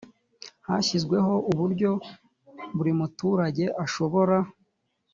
hashyizweho uburyo buri muturage ashobora